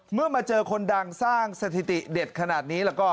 เมื่อมาเจอคนดังสร้างสถิติเด็ดขนาดนี้แล้วก็